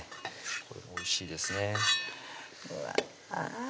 これもおいしいですねうわ